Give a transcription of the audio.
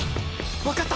分かった。